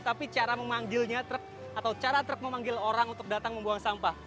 tapi cara memanggilnya truk atau cara truk memanggil orang untuk datang membuang sampah